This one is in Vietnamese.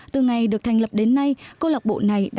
từ ngày được thành lập đến nay câu lạc bộ này